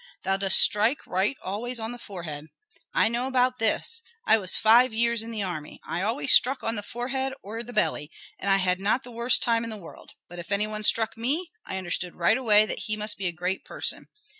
Thou dost strike right always on the forehead! I know about this; I was five years in the army. I always struck on the forehead or the belly, and I had not the worst time in the world. But if any one struck me, I understood right away that he must be a great person.